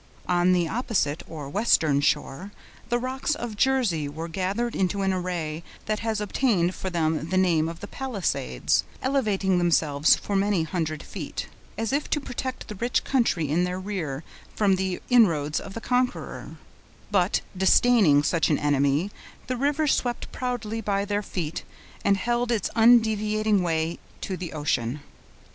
On the opposite, or western shore, the rocks of Jersey were gathered into an array that has obtained for them the name of the "Palisades," elevating themselves for many hundred feet, as if to protect the rich country in their rear from the inroads of the conqueror; but, disdaining such an enemy, the river swept proudly by their feet, and held its undeviating way to the ocean.